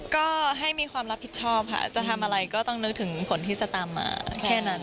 ก็ให้มีความรับผิดชอบค่ะจะทำอะไรก็ต้องนึกถึงผลที่จะตามมาแค่นั้น